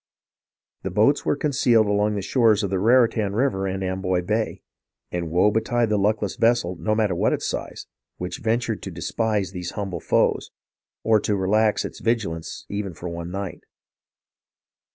The boats were concealed along the shores of the Raritan River and Amboy Bay, and woe betide the luckless vessel, no matter what its size, which ventured to despise these humble foes, or to relax its vigilance even for one night.